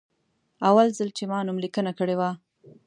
اول ځل چې ما نوملیکنه کړې وه.